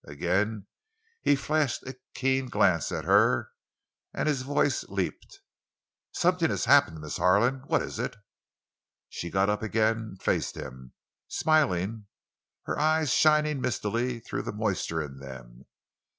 Again he flashed a keen glance at her, and his voice leaped. "Something has happened, Miss Harlan! What is it?" She got up again and faced him, smiling, her eyes shining mistily through the moisture in them.